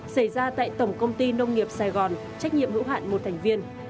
xảy ra tại tổng công ty nông nghiệp sài gòn trách nhiệm hữu hạn một thành viên